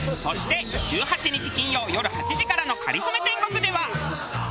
そして１８日金曜よる８時からの『かりそめ天国』では。